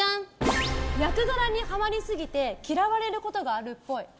役柄にはまりすぎて嫌われることがあるっぽい。